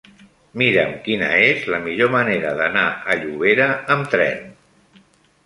Mira'm quina és la millor manera d'anar a Llobera amb tren.